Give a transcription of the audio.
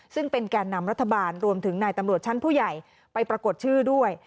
ซึ่งเป็นแก่นำรัฐบาลรวมถึงนายตำรวจชั้นผู้ใหญ่ไปปรากฏชื่อด้วย